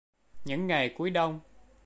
Những ngày cuối Đông